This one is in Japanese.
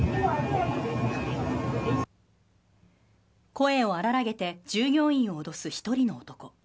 声を荒らげて従業員を脅す１人の男。